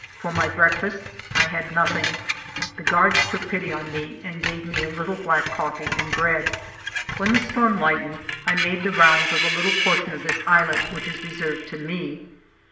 For my breakfast I had nothing. The guards took 112 FIVE YEARS OF MY LIFE pity on me and gave me a little black coffee and bread. When the storm lightened, I made the rounds of the little portion of this islet which is reserved to me.